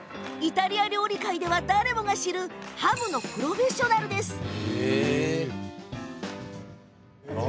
イタリア料理界では誰もが知るハムのプロフェッショナルです。